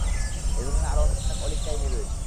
এ ধরনের আরো অনেক অলীক কাহিনী রয়েছে।